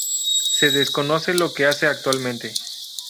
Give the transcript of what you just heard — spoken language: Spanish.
Se desconoce lo que hace actualmente.